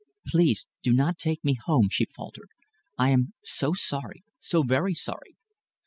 "Please do not take me home," she faltered. "I am so sorry so very sorry."